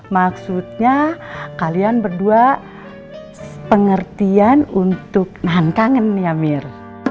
maksudnya kalian berdua pengertian untuk nahan kangen ya mir